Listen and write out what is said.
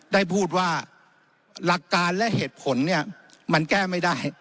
ได้พูดว่าหลักการและเหตุผลเนี่ยมันแก้ไม่ได้